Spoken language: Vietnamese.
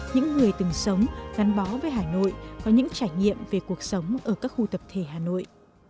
những người từng sống gắn bó với hà nội có những trải nghiệm về cuộc sống ở các khu tập thể hà nội